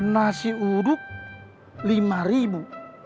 nasi uduk lima ribu